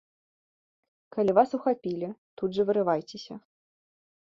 Калі вас ухапілі, тут жа вырывайцеся.